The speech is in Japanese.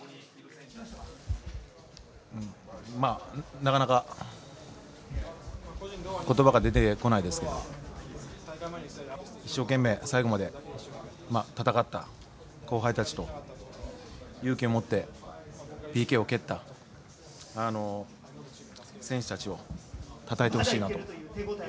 なかなか言葉が出てこないですけど一生懸命、最後まで戦った後輩たちと勇気をもってＰＫを蹴った選手たちをたたえてほしいなと。